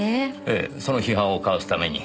ええその批判をかわすために